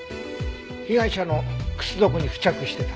被害者の靴底に付着してた。